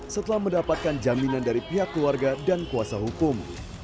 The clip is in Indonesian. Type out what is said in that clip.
setelah mendapatkan jaminan dari pihak keluarga dan kuasa hukum